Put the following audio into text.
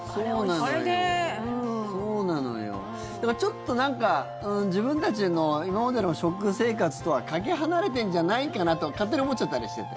だから、ちょっと自分たちの今までの食生活とはかけ離れてんじゃないかなと勝手に思っちゃったりしてて。